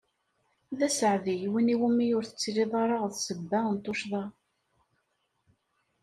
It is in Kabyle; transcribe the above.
D aseɛdi win iwumi ur ttiliɣ ara d ssebba n tuccḍa.